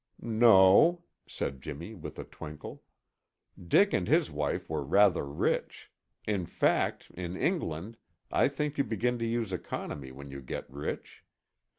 "No," said Jimmy, with a twinkle. "Dick and his wife were rather rich. In fact, in England, I think you begin to use economy when you get rich.